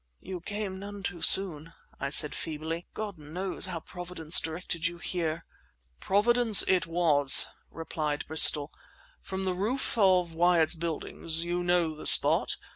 "You came none too soon," I said feebly. "God knows how Providence directed you here." "Providence it was," replied Bristol. "From the roof of Wyatt's Buildings—you know the spot?